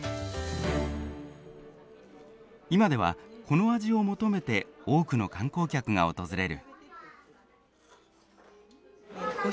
今ではこの味を求めて多くの観光客が訪れる。